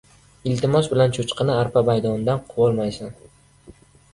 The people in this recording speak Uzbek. • Iltimos bilan cho‘chqani arpa maydonidan quvolmaysan.